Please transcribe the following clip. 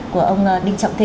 của ông đinh trọng thị